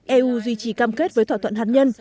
eu duy trì cam kết với thỏa thuận hạt nhân